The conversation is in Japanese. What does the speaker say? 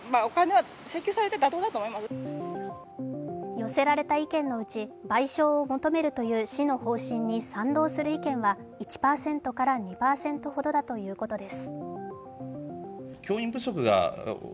寄せられた意見のうち、賠償を求めるという市の方針に賛同する意見は１％から２％ほどだということです。